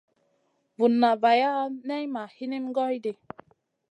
Vunna vaya nay ma hinim goy ɗi.